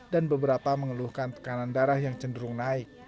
dan beberapa mengeluhkan tekanan darah yang cenderung naik